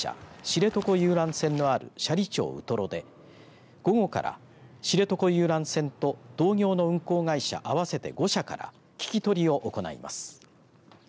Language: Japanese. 知床遊覧船のある斜里町ウトロで午後から、知床遊覧船と同業の運航会社合わせて５社から聞き取りを行います。